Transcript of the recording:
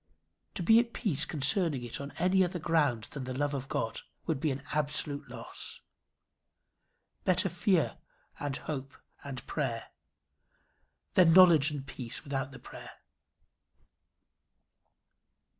To be at peace concerning it on any other ground than the love of God, would be an absolute loss. Better fear and hope and prayer, than knowledge and peace without the prayer.